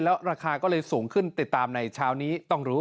แล้วราคาก็เลยสูงขึ้นติดตามในเช้านี้ต้องรู้